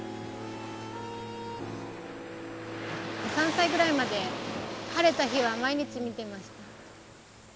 ３歳ぐらいまで晴れた日は毎日見てました。